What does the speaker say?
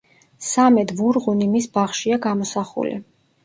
სამედ ვურღუნი მის ბაღშია გამოსახული.